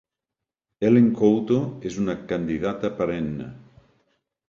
Elaine Couto és una candidata perenne.